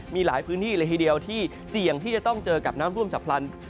มีหลายพื้นที่เลยทีเดียวที่เสี่ยงที่จะต้องเจอกับน้ำท่วมฉับพลัน